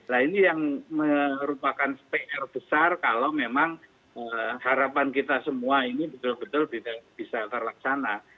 nah ini yang merupakan pr besar kalau memang harapan kita semua ini betul betul tidak bisa terlaksana